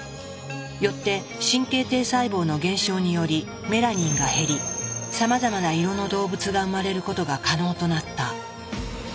よって神経堤細胞の減少によりメラニンが減りさまざまな色の動物が生まれることが可能となった。